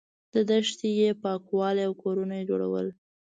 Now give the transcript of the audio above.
دښتې یې پاکولې او کورونه یې جوړول.